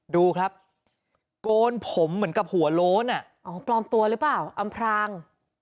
ดูครับโกนผมเหมือนกับหัวโล้นอ่ะอ๋อปลอมตัวหรือเปล่าอำพราง